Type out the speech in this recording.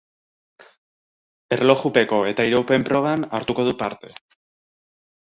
Erlojupeko eta iraupen proban hartuko du parte.